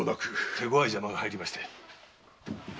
手強い邪魔が入りまして。